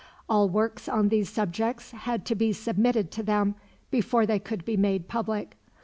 All works on these subjects had to be submitted to them, before they could be made public.